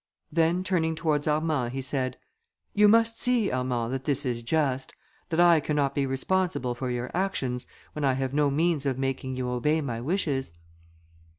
Then turning towards Armand, he said, "You must see, Armand, that this is just; that I cannot be responsible for your actions, when I have no means of making you obey my wishes."